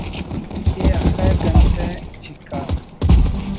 کہ اخہ گھنٹہ چکا